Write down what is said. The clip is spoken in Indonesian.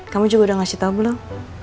kamu juga udah ngasih tau dong